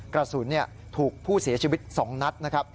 กระสุนถูกผู้เสียชีวิต๒นัตร